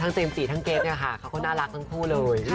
ทั้งเจมส์จีทั้งเกรทเขาก็น่ารักทั้งคู่เลย